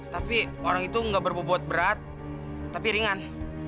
tapi orang itu gak berbobot berat tapi ringan